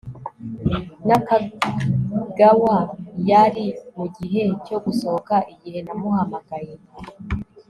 nakagawa yari mugihe cyo gusohoka igihe namuhamagaye